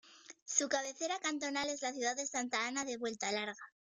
Su cabecera cantonal es la ciudad de Santa Ana de Vuelta Larga.